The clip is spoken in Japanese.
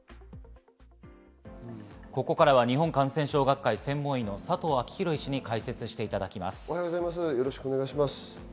ここからは日本感染症学会専門医の佐藤昭裕医師に解説していただきます。